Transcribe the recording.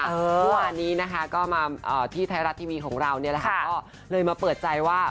ทั่วนี้ก็มาที่ไทยรัฐทีมีของเราเลยมาเปิดใจว่า